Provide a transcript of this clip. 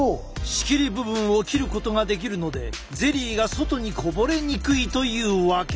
仕切り部分を切ることができるのでゼリーが外にこぼれにくいというわけ。